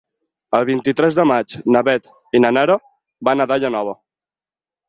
El vint-i-tres de maig na Beth i na Nara van a Daia Nova.